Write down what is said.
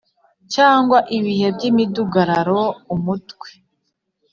Cyangwa ibihe by’imidugararo, Umutwe